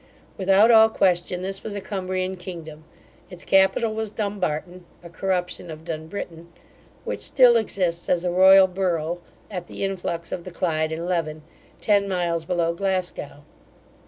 Without all question, this was a Cumbrian kingdom: its capital was Dumbarton (a corruption of Dunbritton) which still exists as a royal borough, at the influx of the Clyde and Leven, ten miles below Glasgow.